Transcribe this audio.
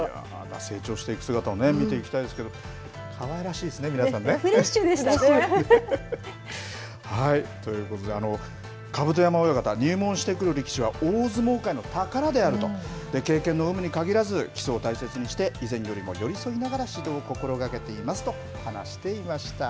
成長していく姿を見ていきたいですけど、かわいらしいですね、フレッシュでしたね。ということで、甲山親方、入門してくる力士は、大相撲界の宝であると、経験の有無に限らず、基礎を大切にして、以前よりも寄り添いながら指導を心がけていますと話していました。